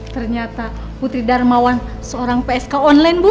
ternyata putri darmawan seorang psk online bu